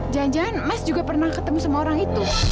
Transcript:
jangan jangan mas juga pernah ketemu sama orang itu